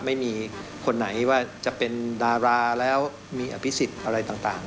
ไม่มีคนไหนว่าจะเป็นดาราแล้วมีอภิษฎอะไรต่าง